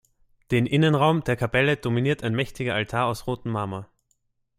Den Innenraum der Kapelle dominiert ein mächtiger Altar aus rotem Marmor.